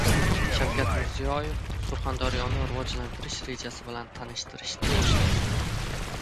Shavkat Mirziyoyev Surxondaryoni rivojlantirish rejasi bilan tanishtirishni boshladi